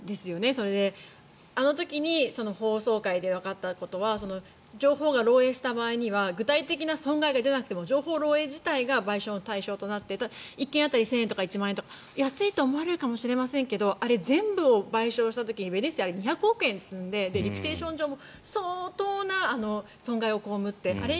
それであの時に法曹界でわかったことは情報が漏えいした場合には具体的な損害が出なくても情報漏えい自体が賠償の対象となって１件当たり１０００円とか１万円とか安いと思われるかもしれませんがあれ、全部を賠償した時にベネッセ、２００億円を積んでレピュテーション上も相当な損害を被ってあれ